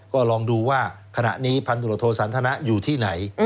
ก็ลองดูว่าขณะนี้พันธุรโทสันทนะอยู่ที่ไหน